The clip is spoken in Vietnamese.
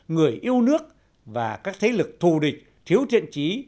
người yêu nước và các thế lực thù địch thiếu thiện trí